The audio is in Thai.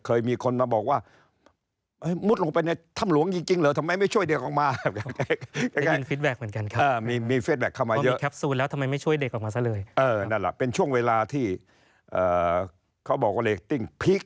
เขาบอกว่าเรทติ้งพีค